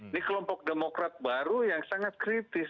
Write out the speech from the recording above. ini kelompok demokrat baru yang sangat kritis